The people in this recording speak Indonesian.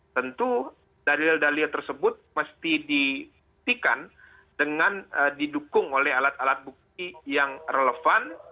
tentu dalil dalil tersebut mesti dibuktikan dengan didukung oleh alat alat bukti yang relevan